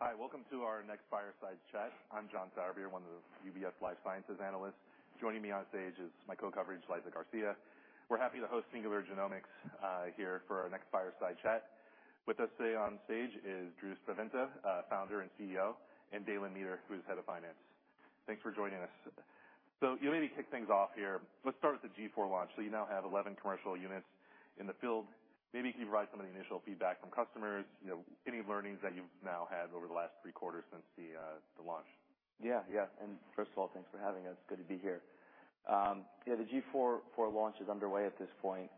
Hi, welcome to our next Fireside Chat. I'm John Sarver, one of the UBS Life Sciences analysts. Joining me on stage is my co-coverage, Elizabeth Garcia. We're happy to host Singular Genomics here for our next Fireside Chat. With us today on stage is Drew Spaventa, Founder and CEO, and Dalen Meeter, who's Head of Finance. Thanks for joining us. You maybe kick things off here. Let's start with the G4 launch. You now have 11 commercial units in the field. Maybe can you provide some of the initial feedback from customers, you know, any learnings that you've now had over the last three quarters since the launch? Yeah. Yeah. First of all, thanks for having us. Good to be here. Yeah, the G4 launch is underway at this point.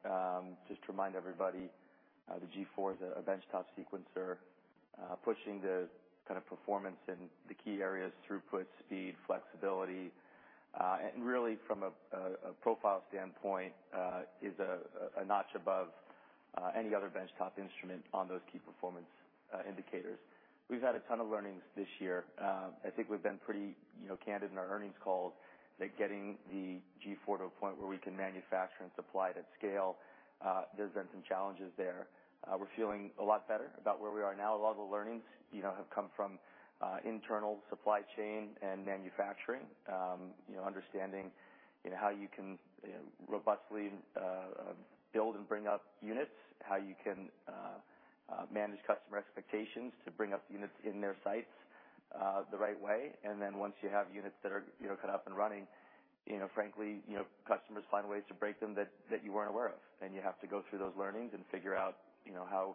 Just to remind everybody, the G4 is a benchtop sequencer, pushing the kind of performance in the key areas, throughput, speed, flexibility, and really from a profile standpoint, is a notch above any other benchtop instrument on those key performance indicators. We've had a ton of learnings this year. I think we've been pretty, you know, candid in our earnings calls, that getting the G4 to a point where we can manufacture and supply it at scale, there's been some challenges there. We're feeling a lot better about where we are now. A lot of the learnings, you know, have come from internal supply chain and manufacturing. You know, understanding, you know, how you can, you know, robustly, build and bring up units, how you can, manage customer expectations to bring up units in their sites, the right way. Then once you have units that are, you know, kind of up and running, you know, frankly, you know, customers find ways to break them that, that you weren't aware of. You have to go through those learnings and figure out, you know, how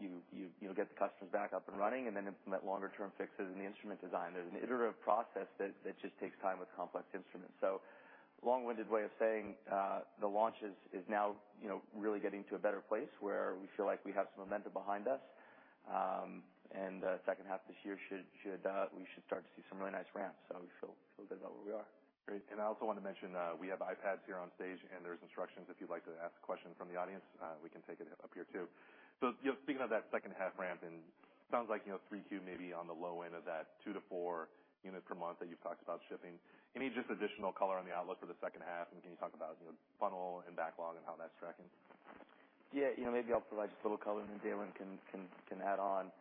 you, you, you know, get the customers back up and running, and then implement longer term fixes in the instrument design. There's an iterative process that, that just takes time with complex instruments. Long-winded way of saying, the launch is, is now, you know, really getting to a better place where we feel like we have some momentum behind us. Second half this year we should start to see some really nice ramps. We feel good about where we are. Great. I also wanted to mention, we have iPads here on stage, and there's instructions if you'd like to ask a question from the audience, we can take it up here, too. You know, speaking of that second half ramp, and sounds like, you know, 3Q may be on the low end of that two to four units per month that you've talked about shipping. Any just additional color on the outlook for the second half, and can you talk about, you know, funnel and backlog and how that's tracking? Yeah, you know, maybe I'll provide just a little color, and then Dalen can, can, can add on.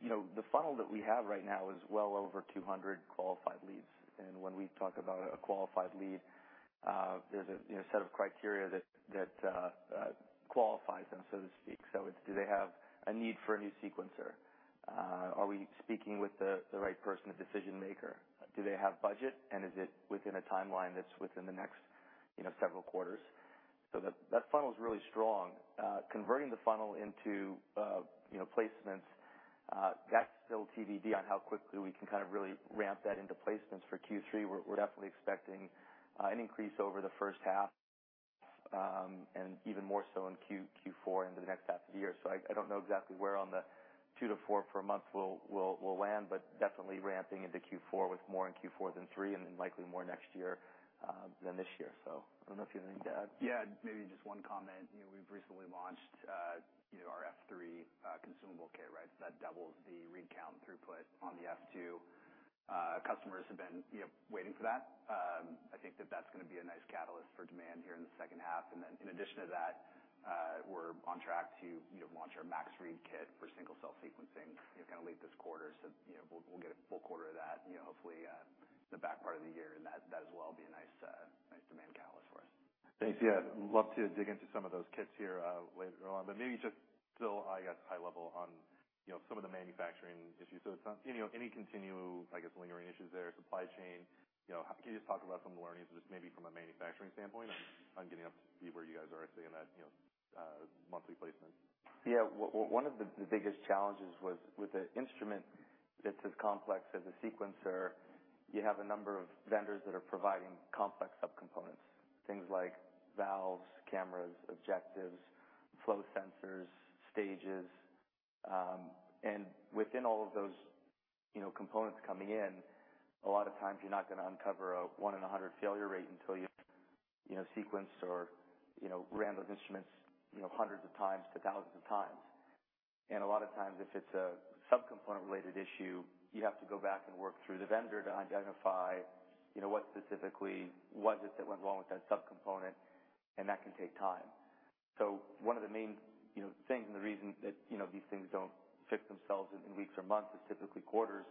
You know, the funnel that we have right now is well over 200 qualified leads. When we talk about a qualified lead, there's a, you know, set of criteria that, that, qualifies them, so to speak. It's do they have a need for a new sequencer? Are we speaking with the, the right person, the decision maker? Do they have budget, and is it within a timeline that's within the next, you know, several quarters? That, that funnel is really strong. Converting the funnel into, you know, placements, that's still TBD on how quickly we can kind of really ramp that into placements for Q3. We're, we're definitely expecting an increase over the 1st half, and even more so in Q4 into the next half of the year. I, I don't know exactly where on the two to four per month we'll, we'll, we'll land, but definitely ramping into Q4, with more in Q4 than Q3, and then likely more next year than this year. I don't know if you have anything to add. Yeah, maybe just one comment. You know, we've recently launched, you know, our F3 consumable kit, right? That doubles the read count throughput on the F2. Customers have been, you know, waiting for that. I think that that's gonna be a nice catalyst for demand here in the second half. Then in addition to that, we're on track to, you know, launch our Max Read Kit for single-cell sequencing, you know, kind of late this quarter. You know, we'll, we'll get a full quarter of that, you know, hopefully, in the back part of the year, and that, that as well, will be a nice, nice demand catalyst for us. Thanks. Yeah, love to dig into some of those kits here, later on. Maybe just still, I guess, high level on, you know, some of the manufacturing issues. It's not, you know, any continued, I guess, lingering issues there, supply chain? You know, can you just talk about some of the learnings, just maybe from a manufacturing standpoint, on, on getting up to speed where you guys are actually in that, you know, monthly placement? Yeah. One of the biggest challenges was with an instrument that's as complex as a sequencer, you have a number of vendors that are providing complex subcomponents, things like valves, cameras, objectives, flow sensors, stages. Within all of those, you know, components coming in, a lot of times you're not gonna uncover a one in a 100 failure rate until you've, you know, sequenced or, you know, ran those instruments, you know, hundreds of times to thousands of times. A lot of times, if it's a subcomponent-related issue, you have to go back and work through the vendor to identify, you know, what specifically was it that went wrong with that subcomponent, and that can take time. One of the main, you know, things and the reason that, you know, these things don't fix themselves in weeks or months, or typically quarters,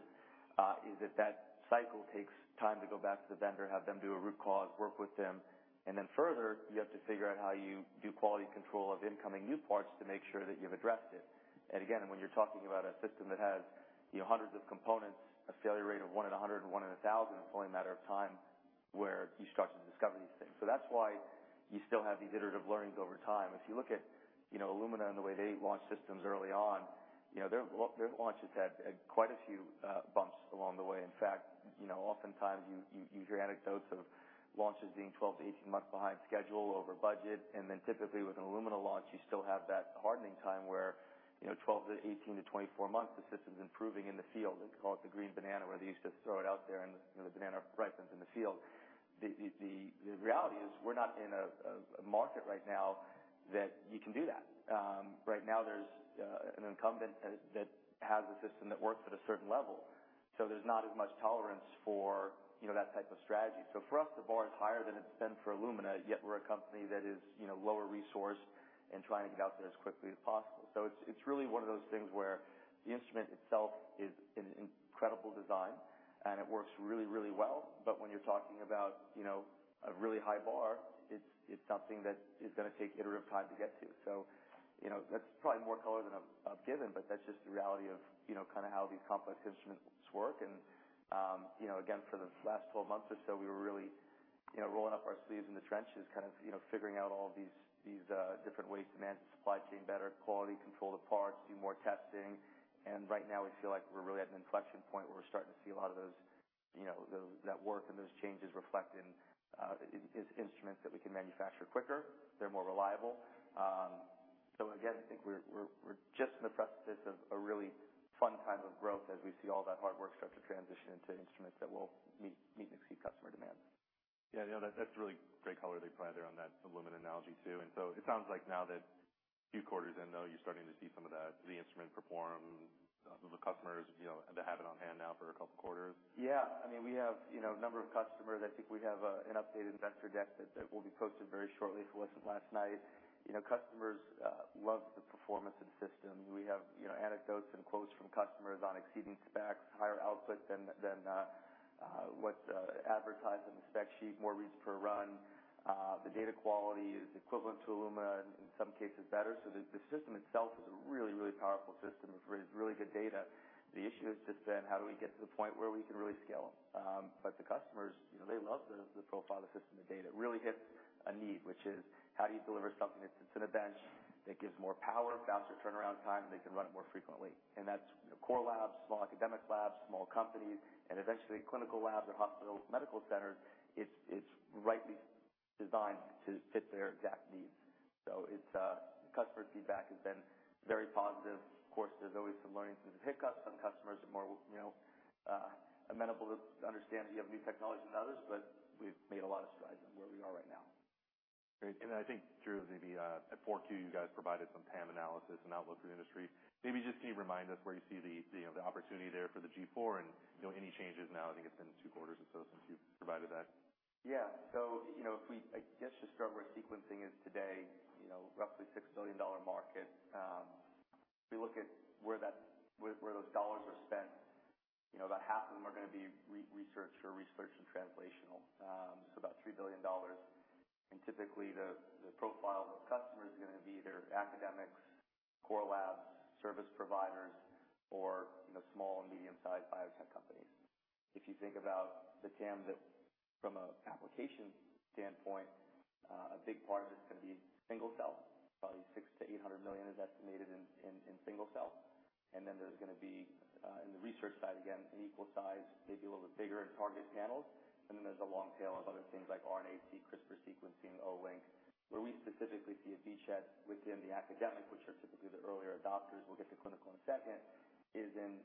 is that that cycle takes time to go back to the vendor, have them do a root cause, work with them, and then further, you have to figure out how you do quality control of incoming new parts to make sure that you've addressed it. Again, when you're talking about a system that has, you know, hundreds of components, a failure rate of one in 100 and one in 1,000, it's only a matter of time where you start to discover these things. That's why you still have these iterative learnings over time. If you look at, you know, Illumina and the way they launched systems early on, you know, their their launches had quite a few bumps along the way. In fact, you know, oftentimes you, you hear anecdotes of launches being 12-18 months behind schedule, over budget, and then typically with an Illumina launch, you still have that hardening time where, you know, 12-18 to 24 months, the system's improving in the field. They call it the green banana, where they used to throw it out there and, you know, the banana ripens in the field. The reality is we're not in a market right now that you can do that. Right now, there's an incumbent that, that has a system that works at a certain level. There's not as much tolerance for, you know, that type of strategy. For us, the bar is higher than it's been for Illumina, yet we're a company that is, you know, lower resourced and trying to get out there as quickly as possible. It's, it's really one of those things where the instrument itself is an incredible design, and it works really, really well. When you're talking about, you know, a really high bar, it's, it's something that is gonna take iterative time to get to. You know, that's probably more color than I've, I've given, but that's just the reality of, you know, kind of how these complex instruments work. You know, again, for the last 12 months or so, we were really, you know, rolling up our sleeves in the trenches, kind of, you know, figuring out all these, these different ways to manage the supply chain better, quality control the parts, do more testing. Right now, we feel like we're really at an inflection point, where we're starting to see a lot of those, you know, that work and those changes reflect in, in, in instruments that we can manufacture quicker. They're more reliable. Again, I think we're, we're, we're just in the precipice of a really fun time of growth as we see all that hard work start to transition into instruments that will meet, meet and exceed customer demand. Yeah, you know, that's really great color, they plan there on that Illumina analogy, too. So it sounds like now that a few quarters in, though, you're starting to see some of that, the instrument perform. The, the customers, you know, they have it on hand now for a couple of quarters. Yeah. I mean, we have, you know, a number of customers. I think we have an updated investor deck that, that will be posted very shortly, if it wasn't last night. You know, customers love the performance of the system. We have, you know, anecdotes and quotes from customers on exceeding specs, higher output than, than what's advertised on the spec sheet, more reads per run. The data quality is equivalent to Illumina and in some cases better. The, the system itself is a really, really powerful system for really good data. The issue has just been: How do we get to the point where we can really scale? The customers, you know, they love the, the profile of the system of data. It really hits a need, which is how do you deliver something that fits in a bench, that gives more power, faster turnaround time, they can run it more frequently? That's core labs, small academic labs, small companies, and eventually clinical labs or hospitals, medical centers. It's, it's rightly designed to fit their exact needs. Customer feedback has been very positive. Of course, there's always some learning and hiccups. Some customers are more, you know, amenable to understand that you have new technologies than others. We've made a lot of strides on where we are right now. Great. I think, Drew, maybe, at 4Q, you guys provided some PAM analysis and outlook for the industry. Maybe just can you remind us where you see the, the, you know, the opportunity there for the G4 and, you know, any changes now? I think it's been two quarters or so since you've provided that. Yeah. You know, just where sequencing is today, you know, roughly $6 billion market. If you look at where those dollars are spent, you know, about half of them are gonna be research or research and translational. About $3 billion. Typically, the profile of the customer is gonna be either academics, core labs, service providers, or, you know, small and medium-sized biotech companies. If you think about the TAM that from a application standpoint, a big part of it is gonna be single cell. Probably $600 million-$800 million is estimated in single cell. There's gonna be in the research side, again, an equal size, maybe a little bigger in target panels. There's a long tail of other things like RNA-seq, CRISPR sequencing, Olink. Where we specifically see a beachhead within the academic, which are typically the earlier adopters, we'll get to clinical in a second, is in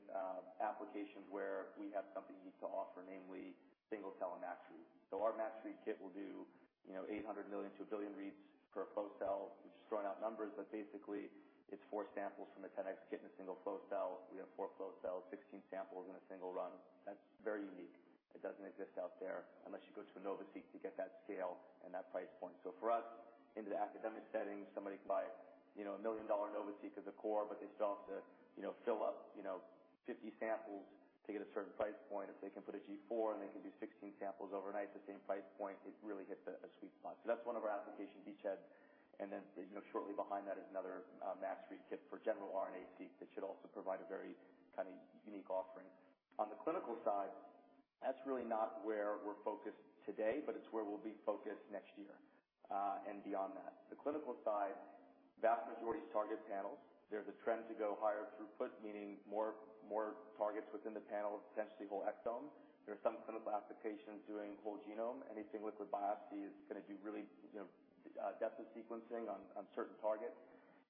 applications where we have something unique to offer, namely single-cell and Max Read. Our Max Read Kit will do, you know, 800 million to 1 billion reads per flow cell. We're just throwing out numbers, but basically, it's four samples from a 10x kit in a single flow cell. We have 4 flow cells, 16 samples in a single run. That's very unique. It doesn't exist out there unless you go to a NovaSeq to get that scale and that price point. For us, in the academic setting, somebody can buy, you know, a $1 million NovaSeq as a core, but they still have to, you know, fill up, you know, 50 samples to get a certain price point. If they can put a G4 and they can do 16 samples overnight at the same price point, it really hits a, a sweet spot. That's one of our application beachheads, and then, you know, shortly behind that is another Max Read Kit for general RNA-Seq, which should also provide a very kind of unique offering. On the clinical side, that's really not where we're focused today, but it's where we'll be focused next year and beyond that. The clinical side, vast majority is target panels. There's a trend to go higher throughput, meaning more, more targets within the panel, potentially whole exome. There are some clinical applications doing whole genome. Anything with a biopsy is gonna do really, you know, depth of sequencing on, on certain targets.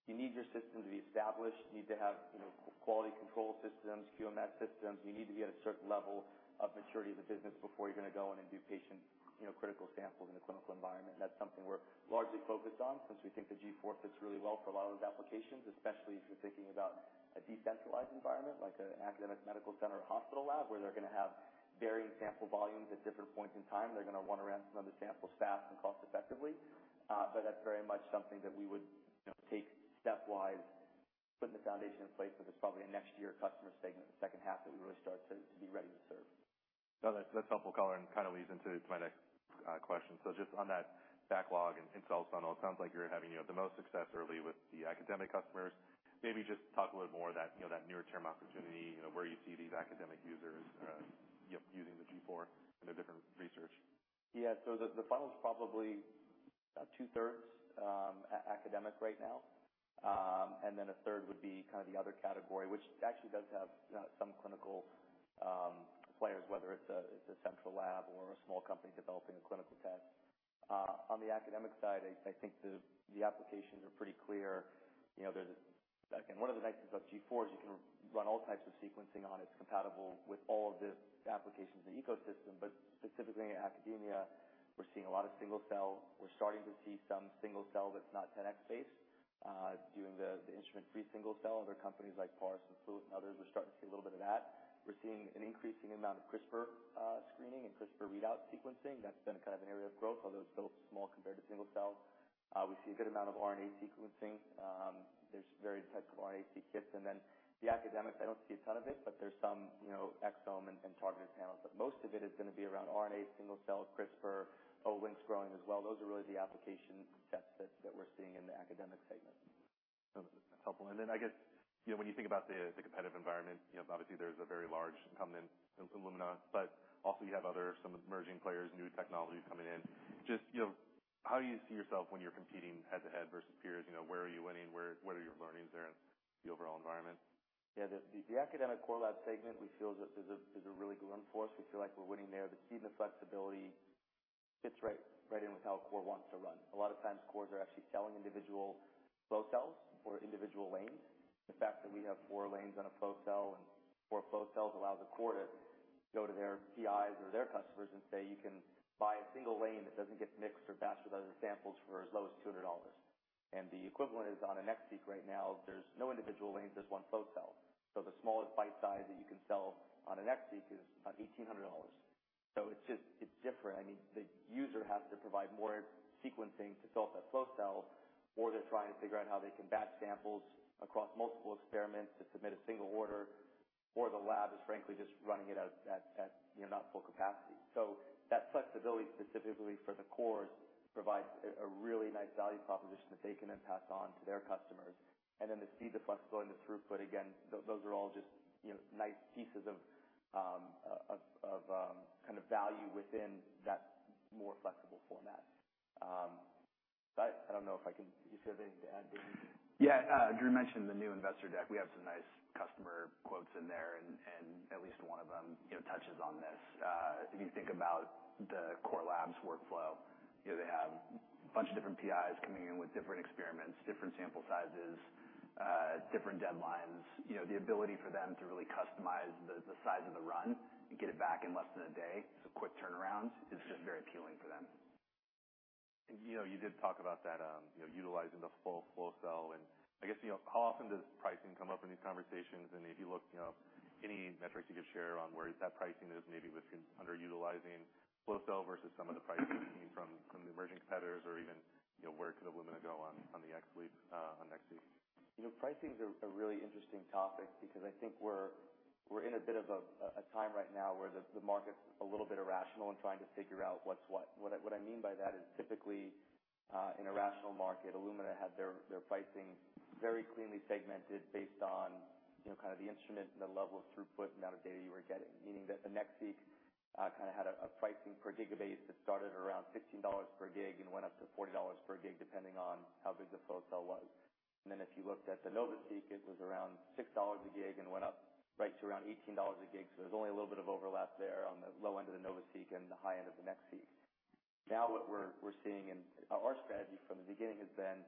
You need your system to be established. You need to have, you know, quality control systems, QMS systems. You need to be at a certain level of maturity of the business before you're gonna go in and do patient, you know, critical samples in a clinical environment. That's something we're largely focused on since we think the G4 fits really well for a lot of those applications, especially if you're thinking about a decentralized environment, like a academic medical center or hospital lab, where they're gonna have varying sample volumes at different points in time. They're gonna wanna run the samples fast and cost-effectively. That's very much something that we would, you know, take step-wise, putting the foundation in place, but it's probably a next year customer segment in the second half that we really start to, to be ready to serve. No, that's, that's helpful color and kind of leads into to my next question. Just on that backlog and sales funnel, it sounds like you're having, you know, the most success early with the academic customers. Maybe just talk a little more that, you know, that near-term opportunity, you know, where you see these academic users, you know, using the G4 in their different research. Yeah. The, the funnel is probably two-thirds academic right now. Then a third would be kind of the other category, which actually does have some clinical players, whether it's a, it's a central lab or a small company developing a clinical. On the academic side, I, I think the, the applications are pretty clear. You know, there's. Again, one of the benefits of G4 is you can run all types of sequencing on it. It's compatible with all of the applications and ecosystem, but specifically in academia, we're seeing a lot of single cell. We're starting to see some single cell that's not 10x based. Doing the, the instrument-free single cell. There are companies like Parse and Fluent and others, we're starting to see a little bit of that. We're seeing an increasing amount of CRISPR screening and CRISPR readout sequencing. That's been kind of an area of growth, although still small compared to single cell. We see a good amount of RNA sequencing. There's various types of RNA-Seq kits. The academics, I don't see a ton of it, but there's some, you know, exome and targeted panels. Most of it is gonna be around RNA, single cell, CRISPR, Olink's growing as well. Those are really the application tests that, that we're seeing in the academic segment. That's helpful. Then I guess, you know, when you think about the, the competitive environment, you know, obviously there's a very large incumbent in Illumina, but also you have other some emerging players, new technology coming in. Just, you know, how do you see yourself when you're competing head-to-head versus peers? You know, where are you winning? Where, what are your learnings there in the overall environment? Yeah, the, the academic core lab segment, we feel that there's a, there's a really good win for us. We feel like we're winning there. The speed and the flexibility fits right, right in with how a core wants to run. A lot of times, cores are actually selling individual flow cells or individual lanes. The fact that we have foufour lanes on a flow cell and four flow cells allows the core to go to their PIs or their customers and say, "You can buy a single lane that doesn't get mixed or batched with other samples for as low as $200." The equivalent is on a NextSeq right now, there's no individual lanes, there's 1 flow cell. The smallest bite size that you can sell on a NextSeq is about $1,800. It's just. It's different. I mean, the user has to provide more sequencing to fill up that flow cell, or they're trying to figure out how they can batch samples across multiple experiments to submit a single order, or the lab is frankly just running it at, at, at, you know, not full capacity. That flexibility, specifically for the cores, provides a really nice value proposition that they can then pass on to their customers. The speed, the flexibility, and the throughput, again, those are all just, you know, nice pieces of, of, kind of value within that more flexible format. I don't know if I can. Do you have anything to add, Dalen? Yeah, Drew mentioned the new investor deck. We have some nice customer quotes in there, at least one of them, you know, touches on this. If you think about the core lab's workflow, you know, they have a bunch of different PIs coming in with different experiments, different sample sizes, different deadlines. You know, the ability for them to really customize the, the size of the run and get it back in less than a day, so quick turnarounds, is just very appealing for them. You know, you did talk about that, you know, utilizing the full flow cell, and I guess, you know, how often does pricing come up in these conversations? If you look, you know, any metrics you could share on where that pricing is, maybe with underutilizing flow cell versus some of the pricing coming from, from the emerging competitors or even, you know, where could Illumina go on, on the XLEAP-SBS, on NextSeq? You know, pricing is a really interesting topic because I think we're in a bit of a time right now where the market's a little bit irrational in trying to figure out what's what. What I mean by that is typically, in a rational market, Illumina had their pricing very cleanly segmented based on, you know, kind of the instrument and the level of throughput and amount of data you were getting. Meaning that the NextSeq kind of had a pricing per gigabase that started around $15 per gig and went up to $40 per gig, depending on how big the flow cell was. Then if you looked at the NovaSeq, it was around $6 a gig and went up right to around $18 a gig. There's only a little bit of overlap there on the low end of the NovaSeq and the high end of the NextSeq. What we're seeing. Our strategy from the beginning has been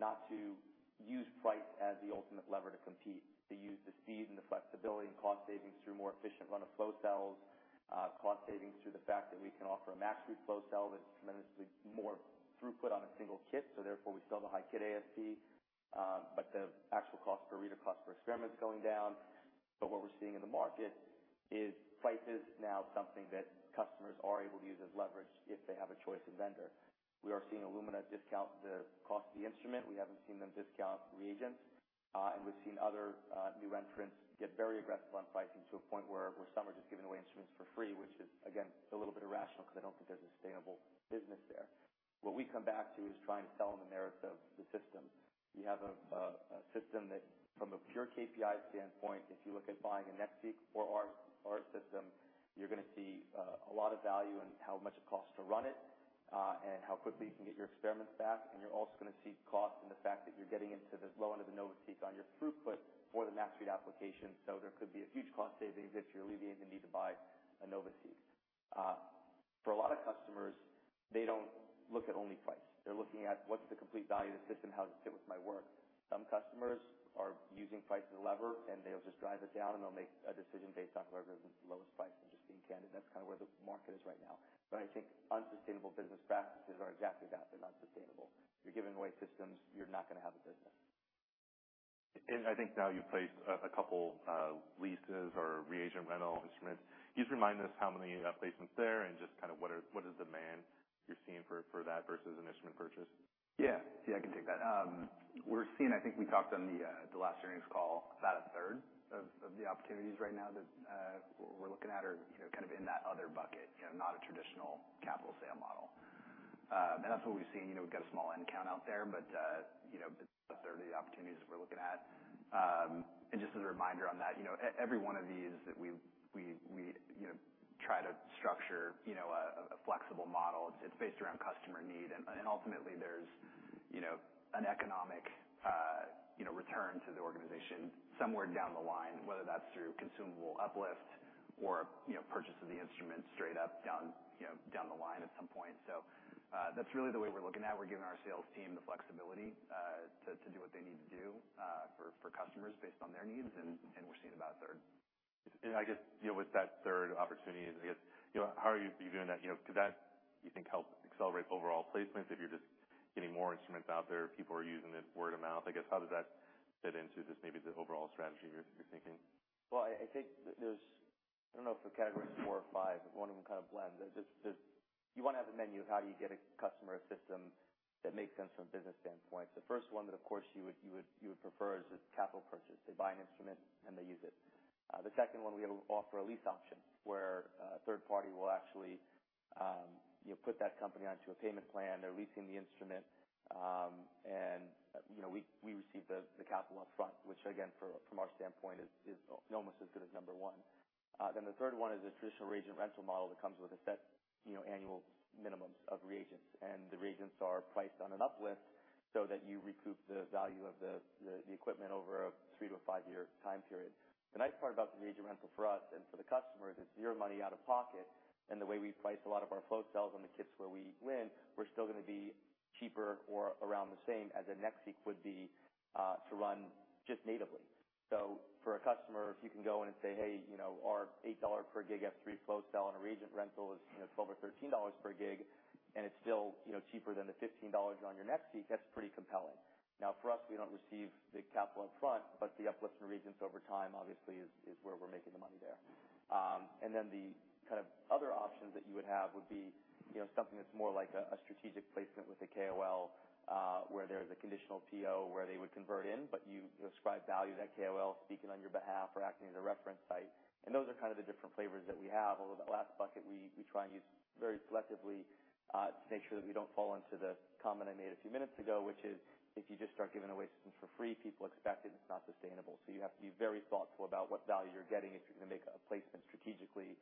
not to use price as the ultimate lever to compete, to use the speed and the flexibility and cost savings through more efficient run of flow cells, cost savings through the fact that we can offer a Max Read flow cell that's tremendously more throughput on a single kit, so therefore, we sell the high kit ASP, but the actual cost per reader, cost per experiment is going down. What we're seeing in the market is price is now something that customers are able to use as leverage if they have a choice of vendor. We are seeing Illumina discount the cost of the instrument. We haven't seen them discount reagents, and we've seen other new entrants get very aggressive on pricing to a point where, where some are just giving away instruments for free, which is, again, a little bit irrational because I don't think there's a sustainable business there. What we come back to is trying to sell on the merits of the system. We have a, a, a system that from a pure KPI standpoint, if you look at buying a NextSeq or our, our system, you're gonna see a lot of value in how much it costs to run it, and how quickly you can get your experiments back. You're also gonna see cost in the fact that you're getting into the low end of the NovaSeq on your throughput for the MaxRead application. There could be a huge cost saving if you're alleviating the need to buy a NovaSeq. For a lot of customers, they don't look at only price. They're looking at what's the complete value of the system, how does it fit with my work? Some customers are using price as a lever, and they'll just drive it down, and they'll make a decision based on whoever is the lowest price. Just being candid, that's kind of where the market is right now. I think unsustainable business practices are exactly that, they're unsustainable. If you're giving away systems, you're not gonna have a business. I think now you've placed a couple leases or reagent rental instruments. Can you just remind us how many placements there, and just kind of what is the demand you're seeing for that versus an instrument purchase? Yeah. Yeah, I can take that. I think we talked on the last earnings call, about a third of the opportunities right now that we're looking at are, you know, kind of in that other bucket, you know, not a traditional capital sale model. That's what we've seen. You know, we've got a small end count out there, but, you know, those are the opportunities we're looking at. Just as a reminder on that, you know, every one of these that we, you know, try to structure, a flexible model, it's, it's based around customer need. Ultimately, there's, you know, an economic.... return to the organization somewhere down the line, whether that's through consumable uplift or, you know, purchase of the instrument straight up, down, you know, down the line at some point. That's really the way we're looking at it. We're giving our sales team the flexibility to do what they need to do for customers based on their needs, and we're seeing about a third. I guess, you know, with that third opportunity, I guess, you know, how are you doing that? You know, could that, you think, help accelerate overall placements if you're just getting more instruments out there, people are using it, word of mouth? I guess, how does that fit into this, maybe the overall strategy you're, you're thinking? Well, I, I think there's. I don't know if the categories four or five, if one of them kind of blend. There's just, you wanna have a menu of how do you get a customer a system that makes sense from a business standpoint. The first one that, of course, you would prefer is a capital purchase. They buy an instrument, and they use it. The second one, we offer a lease option, where a third party will actually, you know, put that company onto a payment plan. They're leasing the instrument, and, you know, we receive the capital upfront, which again, from our standpoint, is almost as good as number one. The third one is the traditional reagent rental model that comes with a set annual minimums of reagents, and the reagents are priced on an uplift so that you recoup the value of the equipment over a three to five year time period. The nice part about the reagent rental for us and for the customer is it's zero money out of pocket, the way we price a lot of our flow cells on the kits where we win, we're still gonna be cheaper or around the same as a NextSeq would be to run just natively. For a customer, if you can go in and say, "Hey, you know, our $8 per gig F3 flow cell on a reagent rental is, you know, $12 or $13 per gig, and it's still, you know, cheaper than the $15 on your NextSeq," that's pretty compelling. Now, for us, we don't receive the capital upfront, but the uplift in reagents over time obviously is, is where we're making the money there. Then the kind of other options that you would have would be, you know, something that's more like a, a strategic placement with a KOL, where there's a conditional PO where they would convert in, but you describe value, that KOL speaking on your behalf or acting as a reference site. Those are kind of the different flavors that we have, although that last bucket we try and use very selectively to make sure that we don't fall into the comment I made a few minutes ago, which is if you just start giving away systems for free, people expect it. It's not sustainable. You have to be very thoughtful about what value you're getting if you're going to make a placement strategically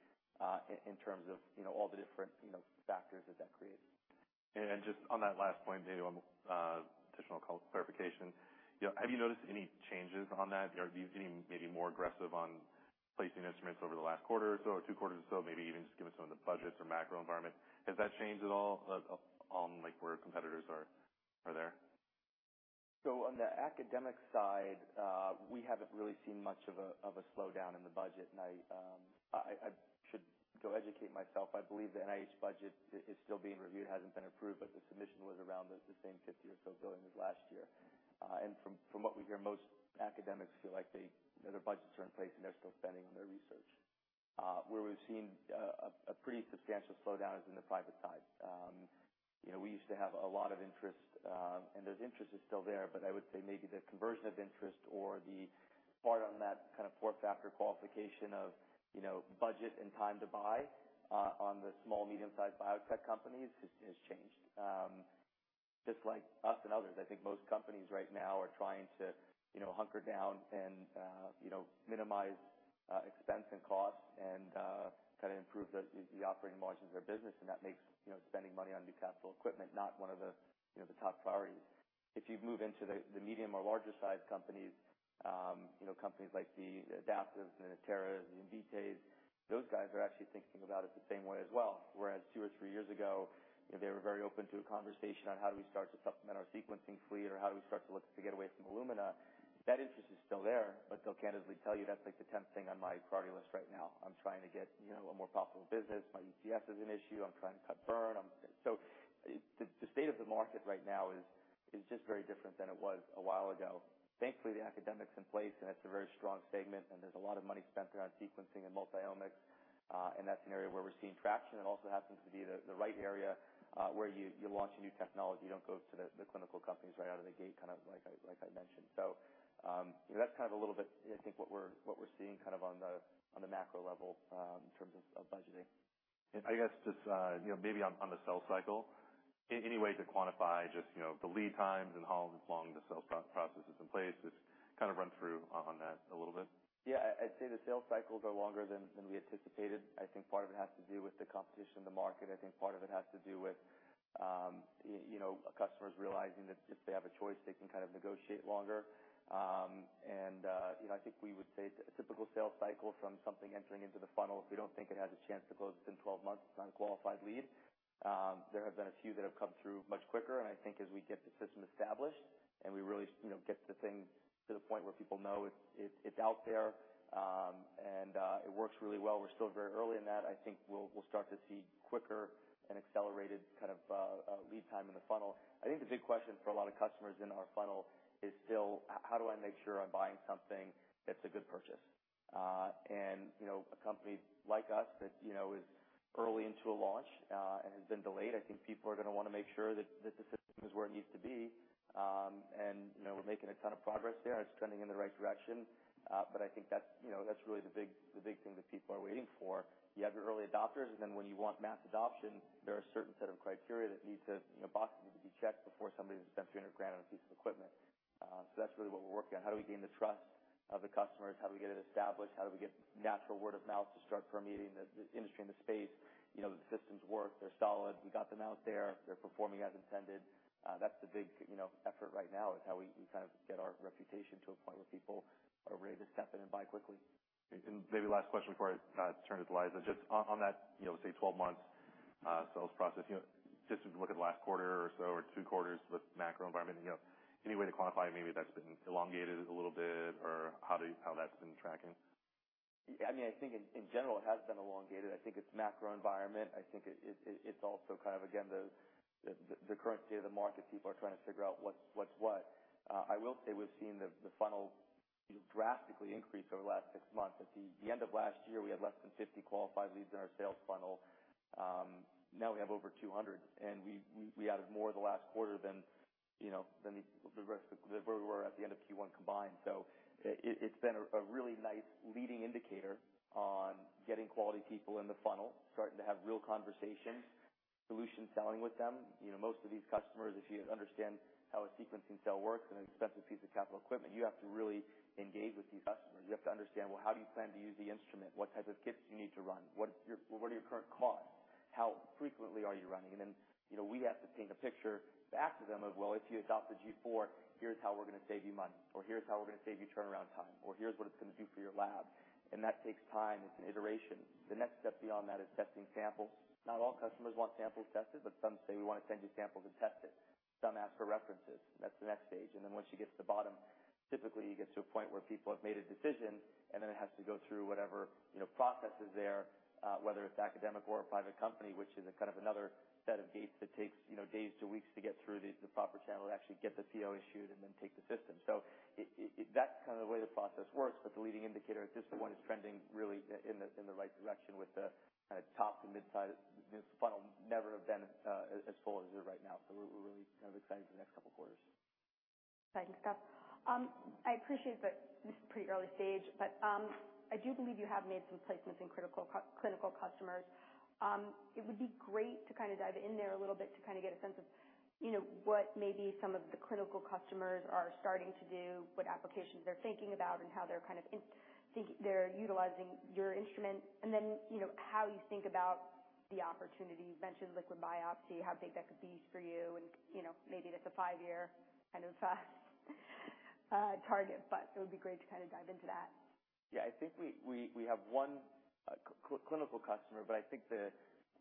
in terms of, you know, all the different, you know, factors that that creates. Just on that last point, maybe one additional clarification. You know, have you noticed any changes on that? Are you getting maybe more aggressive on placing instruments over the last quarter or so, or two quarters or so, maybe even just given some of the budgets or macro environment? Has that changed at all, on like where competitors are, are there? On the academic side, we haven't really seen much of a slowdown in the budget. I, I should go educate myself. I believe the NIH budget is still being reviewed, hasn't been approved, but the submission was around the same $50 or so billion as last year. From what we hear, most academics feel like they, their budgets are in place, and they're still spending on their research. Where we've seen a pretty substantial slowdown is in the private side. You know, we used to have a lot of interest, and the interest is still there, but I would say maybe the conversion of interest or the part on that kind of four factor qualification of, you know, budget and time to buy, on the small, medium-sized biotech companies has, has changed. Just like us and others, I think most companies right now are trying to, you know, hunker down and, you know, minimize expense and cost and kind of improve the, the operating margins of their business, and that makes, you know, spending money on new capital equipment not one of the, you know, the top priorities. If you move into the, the medium or larger sized companies, you know, companies like the Adaptives and the Terras and Invitae, those guys are actually thinking about it the same way as well. Whereas two or three years ago, you know, they were very open to a conversation on how do we start to supplement our sequencing fleet, or how do we start to look to get away from Illumina? That interest is still there, but they'll candidly tell you, "That's, like, the tenth thing on my priority list right now. I'm trying to get, you know, a more profitable business. My ETS is an issue. I'm trying to cut burn. I'm..." The, the state of the market right now is, is just very different than it was a while ago. Thankfully, the academics in place, and it's a very strong segment, and there's a lot of money spent there on sequencing and multiomics, and that's an area where we're seeing traction. It also happens to be the, the right area, where you, you launch a new technology. You don't go to the, the clinical companies right out of the gate, kind of like I, like I mentioned. That's kind of a little bit, I think, what we're, what we're seeing kind of on the, on the macro level, in terms of, of budgeting. I guess just, you know, maybe on, on the sales cycle, any way to quantify just, you know, the lead times and how long the sales process is in place? Just kind of run through on that a little bit. Yeah, I'd say the sales cycles are longer than, than we anticipated. I think part of it has to do with the competition in the market. I think part of it has to do with, you know, customers realizing that if they have a choice, they can kind of negotiate longer. You know, I think we would say a typical sales cycle from something entering into the funnel, if we don't think it has a chance to close within 12 months, it's an unqualified lead. There have been a few that have come through much quicker, and I think as we get the system established and we really, you know, get the thing to the point where people know it's, it's, it's out there, and it works really well, we're still very early in that. I think we'll, we'll start to see quicker and accelerated kind of lead time in the funnel. I think the big question for a lot of customers in our funnel is still: How do I make sure I'm buying something that's a good purchase? You know, a company like us that, you know, is early into a launch, and has been delayed, I think people are gonna wanna make sure that, that the system is where it needs to be. You know, we're making a ton of progress there, and it's trending in the right direction, but I think that's, you know, that's really the big, the big thing that people are waiting for. You have your early adopters, and then when you want mass adoption, there are a certain set of criteria that need to, you know, boxes that need to be checked before somebody's gonna spend $300,000 on a piece of equipment. That's really what we're working on: How do we gain the trust of the customers? How do we get it established? How do we get natural word of mouth to start permeating the industry and the space? You know, the systems work, they're solid. We got them out there. They're performing as intended. That's the big, you know, effort right now, is how we kind of get our reputation to a point where people are ready to step in and buy quickly. Maybe last question before I turn it to Liza. Just on, on that, you know, say, 12 months sales process, you know, just to look at last quarter or so or two quarters with macro environment, you know, any way to quantify maybe that's been elongated a little bit or how that's been tracking? I mean, I think in, in general, it has been elongated. I think it's macro environment. I think it, it, it's also kind of again, the, the, the current state of the market. People are trying to figure out what's, what's what. I will say we've seen the, the funnel drastically increase over the last six months. At the end of last year, we had less than 50 qualified leads in our sales funnel. Now we have over 200, and we, we, we added more the last quarter than, you know, than where we were at the end of Q1 combined. It, it's been a, a really nice leading indicator on getting quality people in the funnel, starting to have real conversations, solution selling with them. You know, most of these customers, if you understand how a sequencing cell works and an expensive piece of capital equipment, you have to really engage with these customers. You have to understand, well, how do you plan to use the instrument? What type of kits do you need to run? What's your-- what are your current costs? How frequently are you running? Then, you know, we have to paint a picture back to them of, "Well, if you adopt the G4, here's how we're going to save you money, or here's how we're going to save you turnaround time, or here's what it's going to do for your lab." That takes time. It's an iteration. The next step beyond that is testing samples. Not all customers want samples tested, but some say, "We want to send you samples and test it." Some ask for references. That's the next stage. Once you get to the bottom, typically you get to a point where people have made a decision, and then it has to go through whatever, you know, processes there, whether it's academic or a private company, which is a kind of another set of gates that takes, you know, days to weeks to get through the, the proper channel to actually get the CO issued and then take the system. That's kind of the way the process works, but the leading indicator is just the one that's trending really in the, in the right direction with the, top to mid-size. This funnel never have been as full as it is right now, so we're, we're really kind of excited for the next couple quarters. Thanks, John. I appreciate that this is pretty early stage, but, I do believe you have made some placements in critical clinical customers. It would be great to kind of dive in there a little bit to kind of get a sense of, you know, what maybe some of the clinical customers are starting to do, what applications they're thinking about, and how they're kind of they're utilizing your instrument. you know, how you think about the opportunity. You mentioned liquid biopsy, how big that could be for you and, you know, maybe that's a five-year kind of target, but it would be great to kind of dive into that. Yeah, I think we, we, we have one clinical customer, but I think.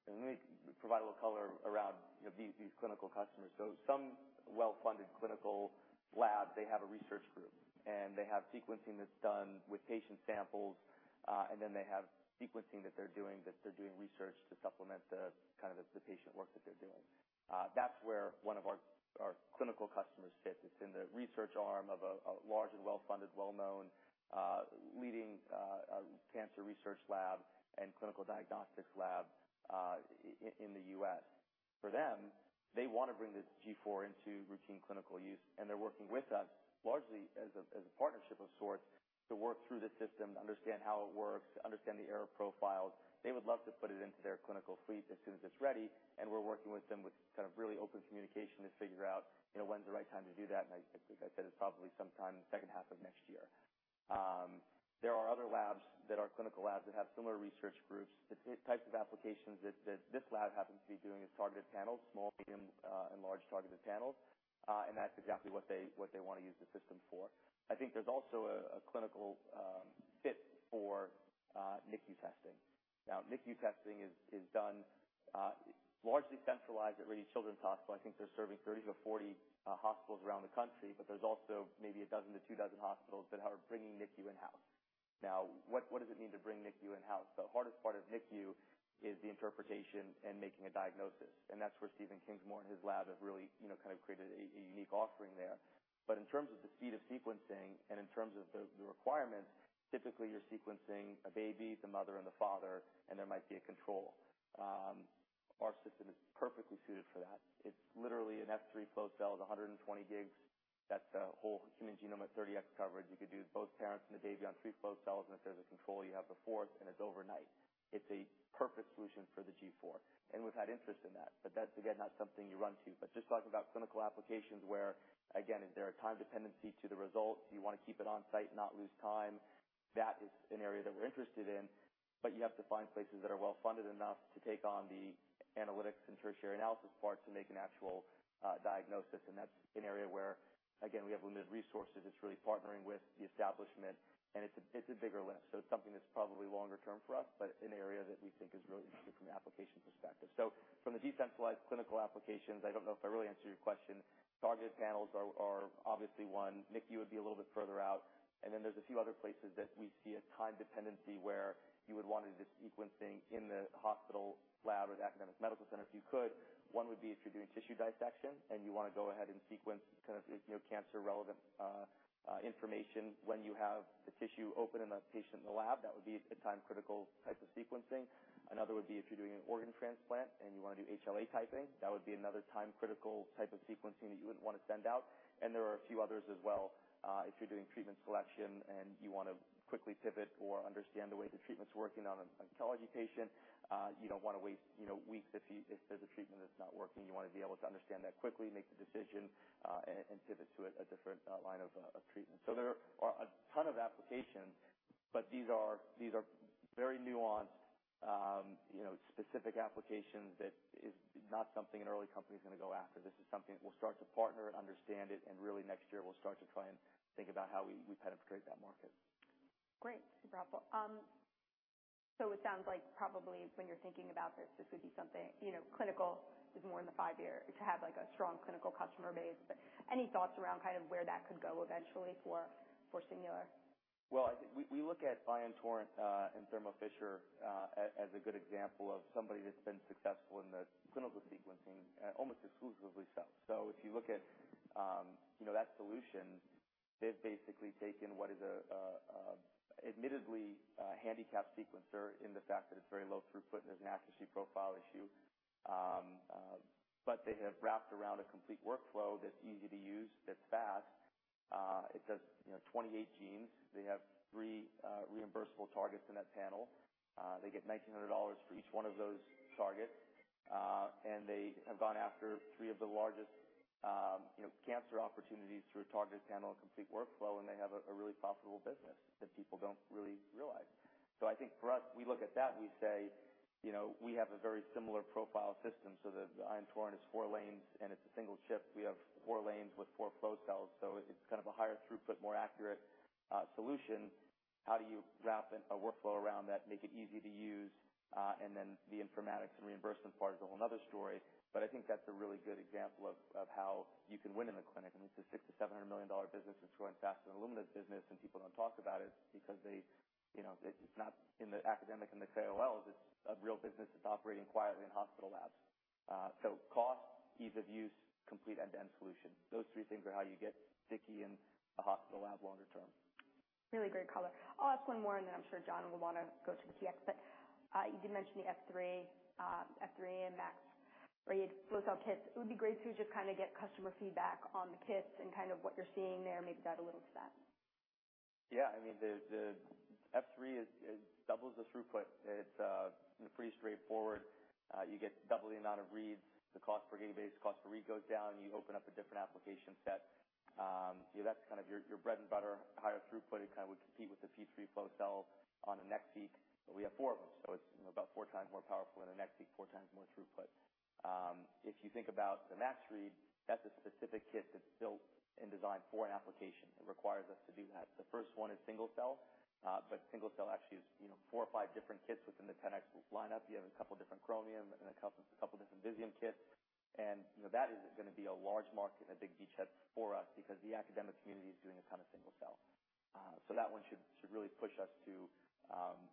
Let me provide a little color around, you know, these clinical customers. Some well-funded clinical labs, they have a research group, and they have sequencing that's done with patient samples. They have sequencing that they're doing, that they're doing research to supplement the, kind of the patient work that they're doing. That's where one of our, our clinical customers fit. It's in the research arm of a, a large and well-funded, well-known, leading cancer research lab and clinical diagnostics lab in the US. For them, they want to bring this G4 into routine clinical use. They're working with us largely as a, as a partnership of sorts, to work through the system, to understand how it works, to understand the error profiles. They would love to put it into their clinical fleet as soon as it's ready. We're working with them with kind of really open communication to figure out, you know, when's the right time to do that. I, like I said, it's probably sometime in the second half of next year. There are other labs that are clinical labs that have similar research groups. The types of applications that this lab happens to be doing is targeted panels, small, medium, and large targeted panels, and that's exactly what they want to use the system for. I think there's also a clinical fit for NICU testing. Now, NICU testing is done largely centralized at Rady Children's Hospital. I think they're serving 30-40 hospitals around the country, but there's also maybe 12 to 24 hospitals that are bringing NICU in-house. What, what does it mean to bring NICU in-house? The hardest part of NICU is the interpretation and making a diagnosis, that's where Stephen Kingsmore and his lab have really, you know, kind of created a unique offering there. In terms of the speed of sequencing and in terms of the requirements, typically, you're sequencing a baby, the mother, and the father, and there might be a control. Our system is perfectly suited for that. It's literally an F3 flow cell, 120 gigs. That's a whole human genome at 30X coverage. You could do both parents and the baby on three flow cells, and if there's a control, you have the fourth, and it's overnight. It's a perfect solution for the G4, and we've had interest in that. That's, again, not something you run to. Just talking about clinical applications where, again, there are time dependency to the results, you want to keep it on site, not lose time. That is an area that we're interested in, but you have to find places that are well funded enough to take on the analytics and tertiary analysis part to make a natural diagnosis. That's an area where, again, we have limited resources. It's really partnering with the establishment, and it's a, it's a bigger lift, so it's something that's probably longer term for us, but an area that we think is really interesting from an application perspective. From the decentralized clinical applications, I don't know if I really answered your question. Targeted panels are, are obviously one. NICU would be a little bit further out, and then there's a few other places that we see a time dependency where you would want to do sequencing in the hospital, lab, or the academic medical center, if you could. One would be if you're doing tissue dissection and you want to go ahead and sequence kind of, you know, cancer-relevant information. When you have the tissue open in the patient in the lab, that would be a time-critical type of sequencing. Another would be if you're doing an organ transplant and you want to do HLA typing. That would be another time-critical type of sequencing that you wouldn't want to send out, and there are a few others as well. If you're doing treatment selection and you want to quickly pivot or understand the way the treatment's working on an oncology patient, you don't want to wait, you know, weeks if there's a treatment that's not working. You want to be able to understand that quickly, make the decision. Pivot to a different line of treatment. There are a ton of applications, but these are, these are very nuanced, you know, specific applications that is not something an early company is gonna go after. This is something we'll start to partner and understand it, and really next year, we'll start to try and think about how we, we penetrate that market. Great. Super helpful. It sounds like probably when you're thinking about this, this would be something, you know, clinical is more in the five year, to have like a strong clinical customer base. Any thoughts around kind of where that could go eventually for, for Singular? Well, I think we, we look at Ion Torrent and Thermo Fisher as a good example of somebody that's been successful in the clinical sequencing almost exclusively so. If you look at, you know, that solution, they've basically taken what is a, a, admittedly, a handicapped sequencer in the fact that it's very low throughput, and there's an accuracy profile issue. They have wrapped around a complete workflow that's easy to use, that's fast. It does, you know, 28 genes. They have three reimbursable targets in that panel. They get $1,900 for each one of those targets. They have gone after three of the largest, you know, cancer opportunities through a targeted panel and complete workflow, and they have a, a really profitable business that people don't really realize. I think for us, we look at that and we say: You know, we have a very similar profile system. The Ion Torrent is four lanes, and it's a one chip. We have four lanes with four flow cells, so it's kind of a higher throughput, more accurate solution. How do you wrap in a workflow around that, make it easy to use, and then the informatics and reimbursement part is a whole another story. I think that's a really good example of how you can win in the clinic, and it's a $600 million-$700 million business that's growing faster than Illumina's business, and people don't talk about it because they, you know, it's not in the academic and the KOLs. It's a real business that's operating quietly in hospital labs. Cost, ease of use, complete end-to-end solution. Those three things are how you get sticky in the hospital lab longer term. Really great color. I'll ask one more, and then I'm sure John will wanna go to PX. You did mention the F3, F3 and Max Read flow cell kits. It would be great to just kind of get customer feedback on the kits and kind of what you're seeing there. Maybe add a little to that. Yeah. I mean, the F3 is, it doubles the throughput. It's pretty straightforward. You get double the amount of reads. The cost per gigabase, cost per read goes down. You open up a different application set. Yeah, that's kind of your, your bread and butter, higher throughput. It kind of would compete with the P3 flow cell on the NextSeq. We have four of them, it's, you know, about four times more powerful than the NextSeq, four times more throughput. If you think about the MaxRead, that's a specific kit that's built and designed for an application. It requires us to do that. The first one is single cell. Single cell actually is, you know, four or five different kits within the 10x lineup. You have a couple different Chromium and a couple different Visium kits. You know, that is gonna be a large market and a big beachhead for us because the academic community is doing a ton of single cell. That one should, should really push us to,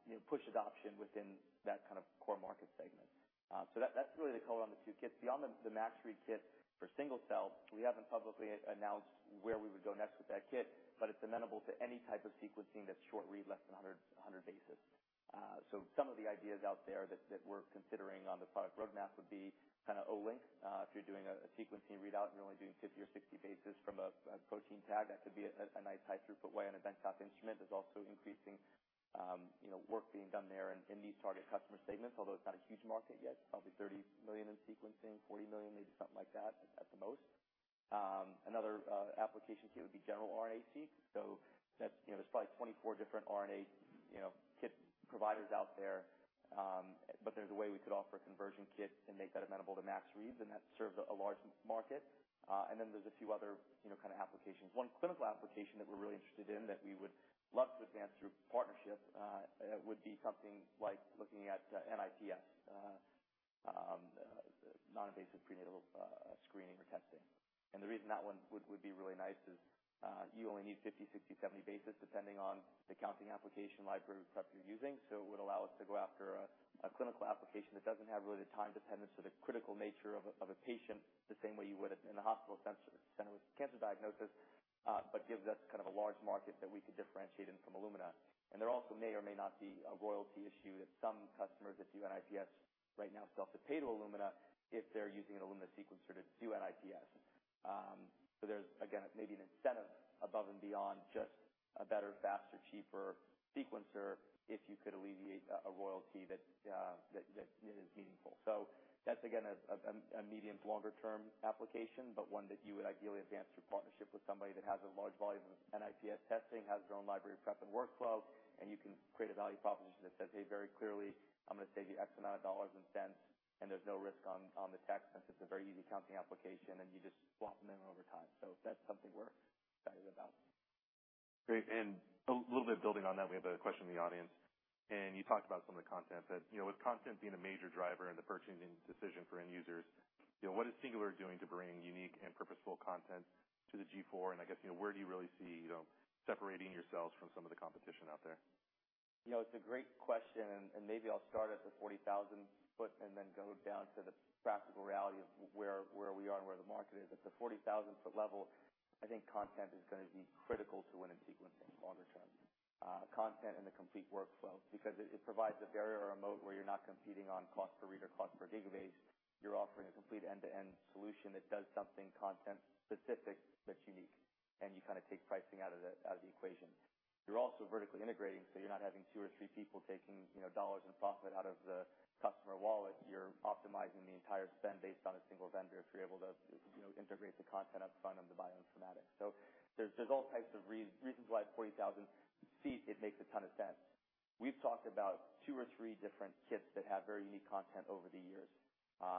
you know, push adoption within that kind of core market segment. That, that's really the color on the two kits. Beyond the Max Read Kit for single cell, we haven't publicly announced where we would go next with that kit, but it's amenable to any type of sequencing that's short read, less than 100 bases. Some of the ideas out there that, that we're considering on the product roadmap would be kind of Olink. If you're doing a, a sequencing readout, and you're only doing 50 or 60 bases from a, a protein tag, that could be a, a nice high throughput way on a benchtop instrument. There's also increasing, you know, work being done there in, in these target customer segments, although it's not a huge market yet. It's probably $30 million in sequencing, $40 million, maybe something like that, at the most. Another application kit would be general RNA-Seq. That's, you know, there's probably 24 different RNA, you know, kit providers out there, but there's a way we could offer a conversion kit and make that amenable to MaxReads, and that serves a, a large market. There's a few other, you know, kind of applications. One clinical application that we're really interested in, that we would love to advance through partnership, would be something like looking at NIPS, non-invasive prenatal screening or testing. The reason that one would, would be really nice is, you only need 50, 60, 70 bases, depending on the counting application library prep you're using. It would allow us to go after a, a clinical application that doesn't have really the time dependence or the critical nature of a, of a patient, the same way you would in a hospital sensor, center with cancer diagnosis, but gives us kind of a large market that we could differentiate in from Illumina. There also may or may not be a royalty issue, that some customers that do NIPS right now still have to pay to Illumina if they're using an Illumina sequencer to do NIPS. There's, again, maybe an incentive above and beyond just a better, faster, cheaper sequencer if you could alleviate a, a royalty that, that, that is meaningful. That's again, a, a medium to longer term application, but one that you would ideally advance your partnership with somebody that has a large volume of NIPS testing, has their own library prep and workflow, and you can create a value proposition that says, "Hey, very clearly, I'm gonna save you X amount of dollars and cents, and there's no risk on, on the tax," since it's a very easy counting application, and you just swap them in over time. That's something we're excited about. Great. A little bit building on that, we have a question in the audience, and you talked about some of the content that... You know, with content being a major driver in the purchasing decision for end users, you know, what is Singular doing to bring unique and purposeful content to the G4? I guess, you know, where do you really see, you know, separating yourselves from some of the competition out there? You know, it's a great question, and maybe I'll start at the 40,000-foot and then go down to the practical reality of where, where we are and where the market is. At the 40,000-foot level, I think content is gonna be critical to win in sequencing longer term. Content and the complete workflow, because it, it provides a barrier of moat where you're not competing on cost per read or cost per gigabase. You're offering a complete end-to-end solution that does something content specific, that's unique. You kind of take pricing out of the, out of the equation. You're also vertically integrating, so you're not having two or three people taking, you know, dollars in profit out of the customer wallet. You're optimizing the entire spend based on a single vendor, if you're able to, you know, integrate the content up front on the bioinformatics. There's, there's all types of reasons why at 40,000 feet, it makes a ton of sense. We've talked about two or three different kits that have very unique content over the years,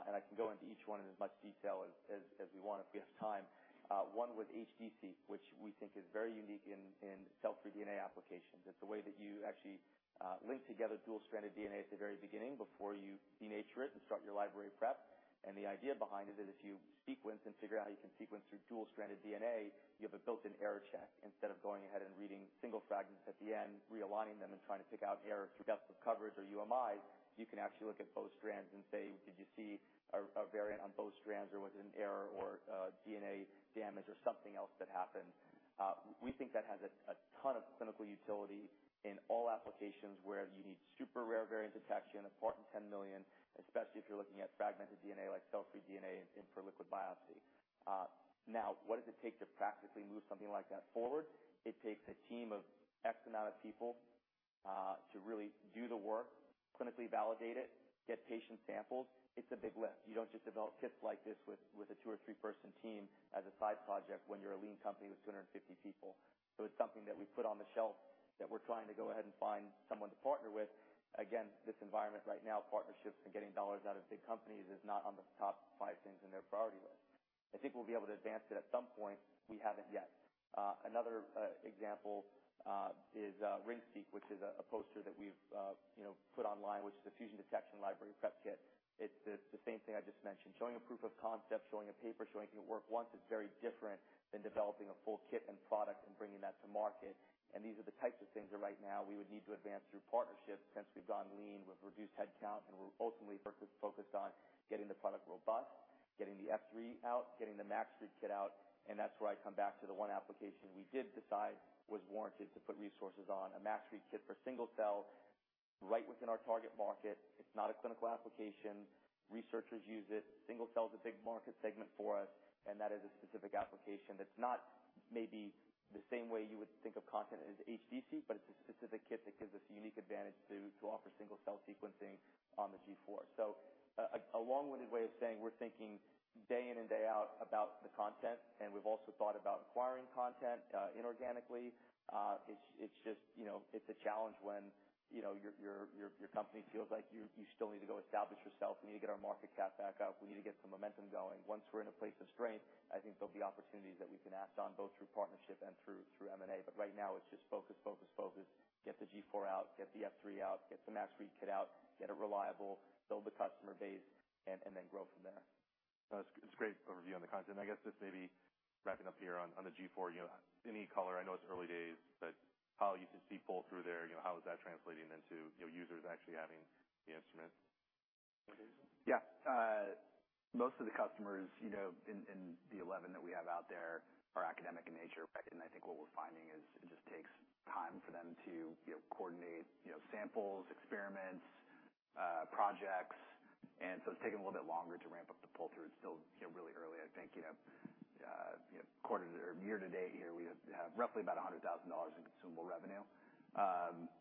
and I can go into each one in as much detail as, as, as we want, if we have time. One with HD-Seq, which we think is very unique in, in cell-free DNA applications. It's the way that you actually link together dual-stranded DNA at the very beginning before you denature it and start your library prep. The idea behind it is, if you sequence and figure out how you can sequence through dual-stranded DNA, you have a built-in error check. Instead of going ahead and reading single fragments at the end, realigning them and trying to pick out error through depth of coverage or UMIs, you can actually look at both strands and say, "Did you see a, a variant on both strands, or was it an error or DNA damage or something else that happened?" We think that has a ton of clinical utility in all applications where you need super rare variant detection, a part in 10 million, especially if you're looking at fragmented DNA, like cell-free DNA in, for liquid biopsy. Now, what does it take to practically move something like that forward? It takes a team of X amount of people to really do the work, clinically validate it, get patient samples. It's a big lift. You don't just develop kits like this with, with a two or three-person team as a side project when you're a lean company with 250 people. It's something that we've put on the shelf that we're trying to go ahead and find someone to partner with. Again, this environment right now, partnerships and getting dollars out of big companies is not on the top five things in their priority list. I think we'll be able to advance it at some point. We haven't yet. another example is Ring-Seq, which is a poster that we've, you know, put online, which is a fusion detection library prep kit. It's the, the same thing I just mentioned. Showing a proof of concept, showing a paper, showing it can work once is very different than developing a full kit and product and bringing that to market, and these are the types of things that right now we would need to advance through partnerships, since we've gone lean. We've reduced headcount, and we're ultimately focused on getting the product robust, getting the F3 out, getting the Max Read Kit out. That's where I come back to the one application we did decide was warranted to put resources on, a Max Read Kit for single cell, right within our target market. It's not a clinical application. Researchers use it. Single cell is a big market segment for us, and that is a specific application that's not maybe the same way you would think of content as HD-Seq but it's a specific kit that gives us a unique advantage to, to offer single-cell sequencing on the G4. A long-winded way of saying we're thinking day in and day out about the content, and we've also thought about acquiring content inorganically. It's just, you know, it's a challenge when, you know, your, your, your, your company feels like you, you still need to go establish yourself. We need to get our market cap back up. We need to get some momentum going. Once we're in a place of strength, I think there'll be opportunities that we can act on, both through partnership and through, through M&A. Right now, it's just focus, focus, focus. Get the G4 out, get the F3 out, get the Max Read Kit out, get it reliable, build the customer base, and then grow from there. No, it's, it's a great overview on the content. I guess just maybe wrapping up here on, on the G4, you know, any color? I know it's early days, but how you can see pull through there, you know, how is that translating into, you know, users actually having the instrument? Yeah. Most of the customers, you know, in, in the 11 that we have out there are academic in nature, right? I think what we're finding is it just takes time for them to, you know, coordinate, you know, samples, experiments, projects, and so it's taking a little bit longer to ramp up the pull-through. It's still, you know, really early. I think, you know, you know, quarter to or year to date here, we have, roughly about $100,000 in consumable revenue.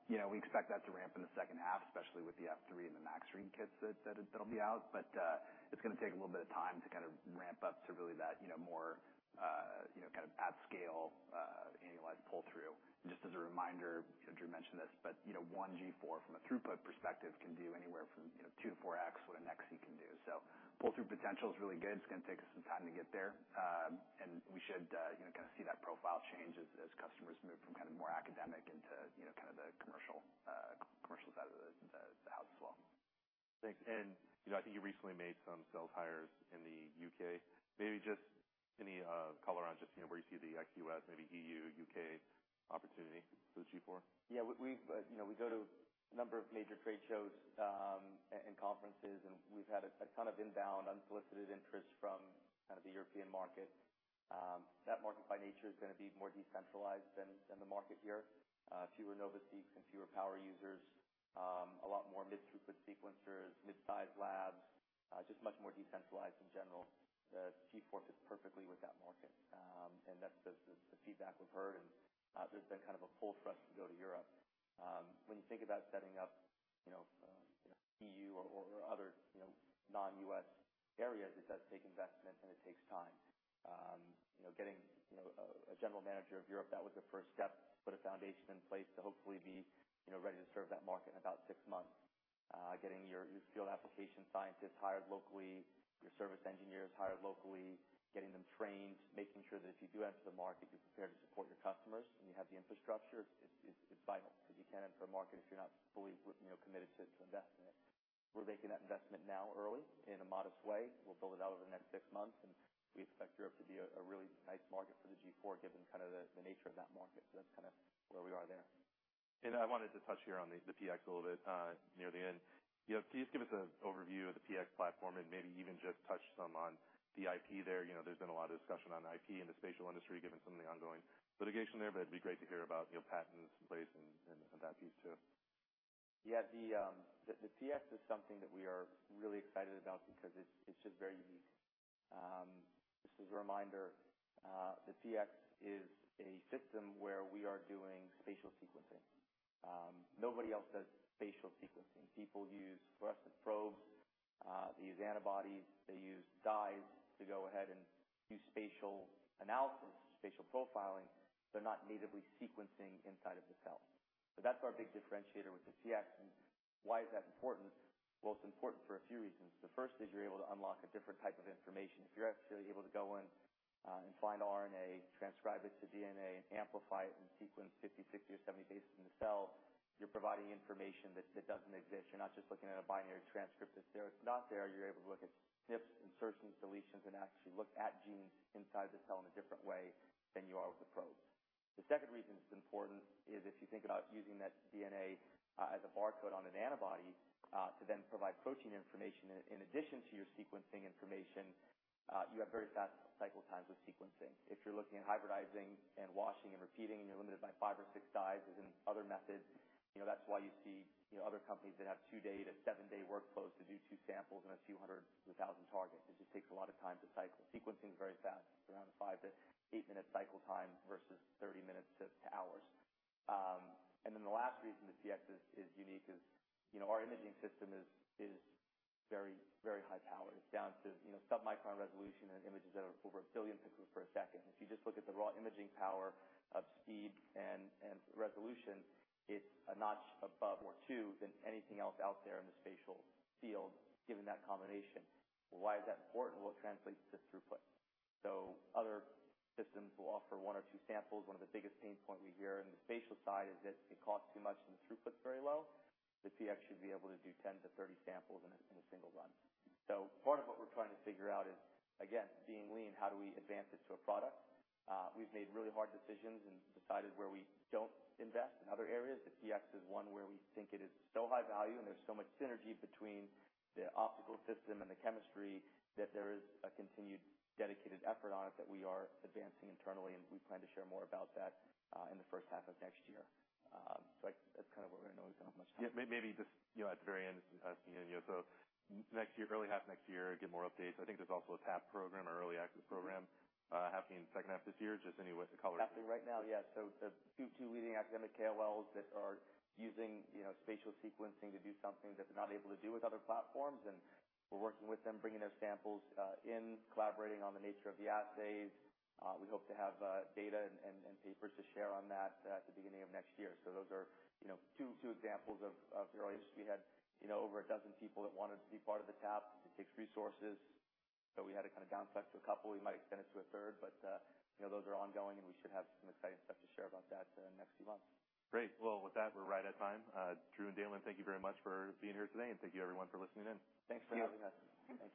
You know, we expect that to ramp in the second half, especially with the F3 and the Max Read kits that, that, that'll be out. It's gonna take a little bit of time to kind of ramp up to really that, you know, more, you know, kind of at-scale, annualized pull-through. Just as a reminder, you know, Drew mentioned this, but, you know, one G4 from a throughput perspective can do anywhere from, you know, 2x-4x what a NextSeq can do. Pull-through potential is really good. It's gonna take us some time to get there, and we should, you know, kind of see that profile change as, as customers move from kind of more academic into, you know, kind of the commercial, commercial side of the house as well. Thanks. You know, I think you recently made some sales hires in the U.K. Maybe just any color on just, you know, where you see the ex-U.S., maybe EU, U.K. opportunity for the G4? Yeah, we, we've, you know, we go to a number of major trade shows, and conferences, and we've had a ton of inbound, unsolicited interest from kind of the European market. That market by nature is gonna be more decentralized than, than the market here. Fewer NovaSeq and fewer power users, a lot more mid-throughput sequencers, mid-size labs, just much more decentralized in general. The G4 fits perfectly with that market, and that's the, the feedback we've heard, and there's been kind of a pull for us to go to Europe. When you think about setting up, you know, you know, EU or, or other, you know, non-US areas, it does take investment, and it takes time. You know, getting, you know, a, a general manager of Europe, that was the first step to put a foundation in place to hopefully be, you know, ready to serve that market in about six months. Getting your, your field application scientists hired locally, your service engineers hired locally, getting them trained, making sure that if you do enter the market, you're prepared to support your customers, and you have the infrastructure. It's, it's, it's vital, because you can't enter a market if you're not fully, you know, committed to, to investing in it. We're making that investment now, early, in a modest way. We'll build it out over the next six months, and we expect Europe to be a, a really nice market for the G4, given kind of the, the nature of that market. That's kind of where we are there. I wanted to touch here on the PX a little bit near the end. You know, can you just give us a overview of the PX platform and maybe even just touch some on the IP there? You know, there's been a lot of discussion on IP in the spatial industry, given some of the ongoing litigation there, but it'd be great to hear about, you know, patents in place and, and, and that piece, too. Yeah, the, the, the PX is something that we are really excited about because it's, it's just very unique. Just as a reminder, the PX is a system where we are doing spatial sequencing. Nobody else does spatial sequencing. People use fluorescent probes, they use antibodies, they use dyes to go ahead and do spatial analysis, spatial profiling. They're not natively sequencing inside of the cell. That's our big differentiator with the PX. Why is that important? It's important for a few reasons. The first is you're able to unlock a different type of information. If you're actually able to go in and find RNA, transcribe it to DNA and amplify it and sequence 50, 60 or 70 bases in the cell, you're providing information that, that doesn't exist. You're not just looking at a binary transcript that's there. It's not there. You're able to look at SNPs, insertions, deletions, and actually look at genes inside the cell in a different way than you are with the probes. The second reason it's important is if you think about using that DNA, as a barcode on an antibody, to then provide protein information in addition to your sequencing information, you have very fast cycle times with sequencing. If you're looking at hybridizing and washing and repeating, and you're limited by five or six dyes as in other methods, you know, that's why you see, you know, other companies that have two-day to seven-day workflows to do two samples and a few hundred to 1,000 targets. It just takes a lot of time to cycle. Sequencing is very fast, around five to eight-minute cycle time versus 30 minutes to, to hours. Then the last reason the PX is unique is, you know, our imaging system is very, very high powered. It's down to, you know, submicron resolution and images that are over 1 billion pixels per second. If you just look at the raw imaging power of speed and resolution, it's a notch above or two than anything else out there in the spatial field, given that combination. Why is that important? Well, it translates to throughput. Other systems will offer one or two samples. One of the biggest pain points we hear in the spatial side is that it costs too much, and the throughput's very low. The PX should be able to do 10-30 samples in a single run. Part of what we're trying to figure out is, again, being lean, how do we advance this to a product? We've made really hard decisions and decided where we don't invest in other areas. The PX is one where we think it is so high value and there's so much synergy between the optical system and the chemistry, that there is a continued dedicated effort on it that we are advancing internally, and we plan to share more about that in the first half of next year. That, that's kind of what we're going to... We don't have much time. Yeah, may-maybe just, you know, at the very end, asking you, so next year, early half next year, get more updates. I think there's also a TAP program, an early access program, happening second half this year. Just anyway, what's the color? Happening right now, yes. The two, two leading academic KOLs that are using, you know, spatial sequencing to do something that they're not able to do with other platforms, and we're working with them, bringing their samples in, collaborating on the nature of the assays. We hope to have data and, and, and papers to share on that at the beginning of next year. Those are, you know, two, two examples of, of your audience. We had, you know, over a dozen people that wanted to be part of the TAP. It takes resources, so we had to kind of down select to a couple. We might extend it to a third, but, you know, those are ongoing, and we should have some exciting stuff to share about that in the next few months. Great. Well, with that, we're right at time. Drew and Damon, thank you very much for being here today, and thank you, everyone, for listening in. Thanks for having us. Thank you.